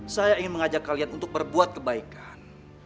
saya ingin mengajak kalian untuk berbuat kebaikan